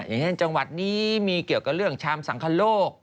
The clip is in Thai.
อย่างเช่นจังหวัดนี้มีเกี่ยวกับเรื่องชามสังคโลก